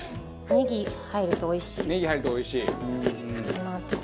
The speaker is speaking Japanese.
ネギ入るとおいしい！